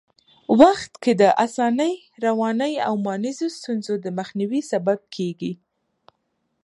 وخت کي د اسانۍ، روانۍ او مانیزو ستونزو د مخنیوي سبب کېږي.